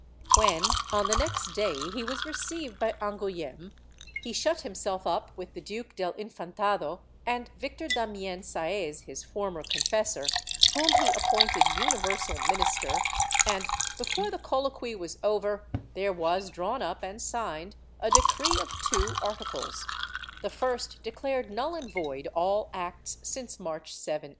^ When, on the next day, he was received by Angouleme, he shut himself up with the Duke del Infantado and Victor Damien Saez, his former confessor, whom he appointed universal minister and, before the colloquy was over, there was drawn up and signed a decree of two articles; the first declared null and void all acts since March 7, 1820; the second ' Miraflores, Apuntes, pp.